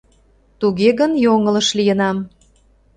Туге гын, йоҥылыш лийынам.